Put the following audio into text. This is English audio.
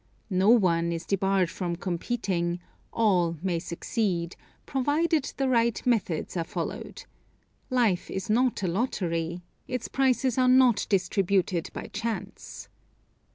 No one is debarred from competing; all may succeed, provided the right methods are followed. Life is not a lottery. Its prizes are not distributed by chance.